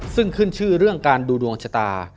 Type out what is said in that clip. ซึ่งขึ้นชื่อเรื่องการดูดวงชะตา